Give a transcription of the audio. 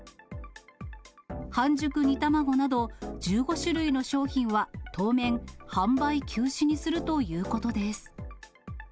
半熟煮たまごなど１５種類の商品は当面販売休止にするということです。